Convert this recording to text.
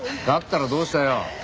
だったらどうしたよ。